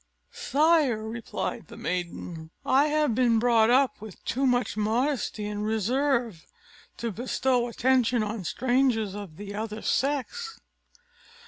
"Sire," replied the maiden, "I have been brought up with too much modesty and reserve to bestow attention on strangers of the other sex."